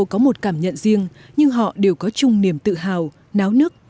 có một cảm nhận riêng nhưng họ đều có chung niềm tự hào náo nức